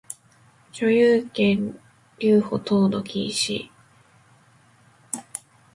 所有権留保等の禁止